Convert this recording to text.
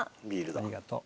ありがとう。